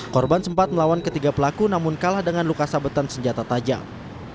korban sempat melawan ketiga pelaku namun kalah dengan luka sabetan senjata tajam